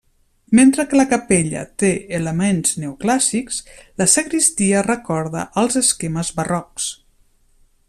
Mentre que la capella té elements neoclàssics, la sagristia recorda als esquemes barrocs.